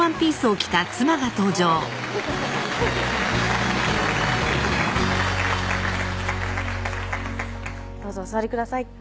何やろどうぞお座りください